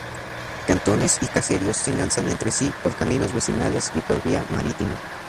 Cantones y caseríos se enlazan entre sí por caminos vecinales y por vía marítima.